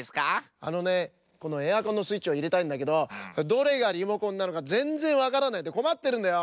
あのねこのエアコンのスイッチをいれたいんだけどどれがリモコンなのかぜんぜんわからないんでこまってるんだよ。